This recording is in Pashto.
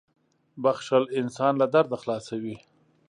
• بښل انسان له درده خلاصوي.